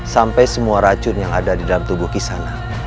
sampai semua racun yang ada di dalam tubuh kisana